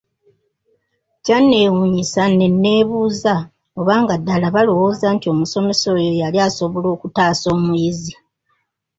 Kyanneewuunyisa ne nneebuuza oba nga ddala balowooza nti omusomesa oyo yali asobola okutaasa omuyizi.